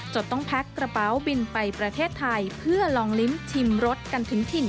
จนต้องแพ็คกระเป๋าบินไปประเทศไทยเพื่อลองลิ้มชิมรสกันถึงถิ่น